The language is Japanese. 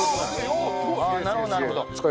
ああーなるほどなるほど！